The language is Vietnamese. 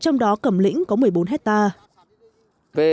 trong đó cẩm lĩnh có một mươi bốn hectare